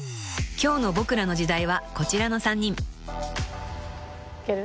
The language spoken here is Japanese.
［今日の『ボクらの時代』はこちらの３人］いける？